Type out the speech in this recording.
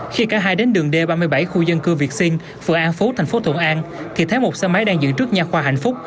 khi cả hai đến đường d ba mươi bảy khu dân cư việt sinh phường an phú thành phố thuận an thì thấy một xe máy đang dựng trước nhà khoa hạnh phúc